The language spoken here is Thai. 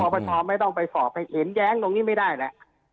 ปรปชไม่ต้องไปฝ่อไปเห็นแย้งตรงนี้ไม่ได้นะ